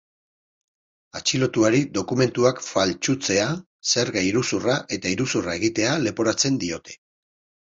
Atxilotuari dokumentuak faltsutzea, zerga iruzurra eta iruzurra egitea leporatzen diote.